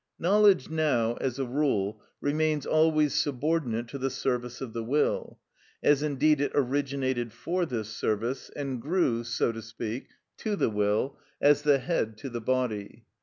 Knowledge now, as a rule, remains always subordinate to the service of the will, as indeed it originated for this service, and grew, so to speak, to the will, as the head to the body.